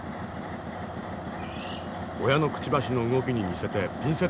親のくちばしの動きに似せてピンセットで魚を与える。